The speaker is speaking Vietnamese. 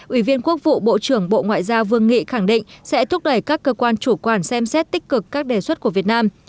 ủy viên quốc vụ bộ trưởng bộ ngoại giao vương nghị khẳng định sẽ thúc đẩy các cơ quan chủ quản xem xét tích cực các đề xuất của việt nam